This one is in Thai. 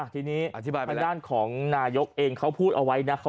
ทีนี้ทางด้านของนายกเองเขาพูดเอาไว้นะ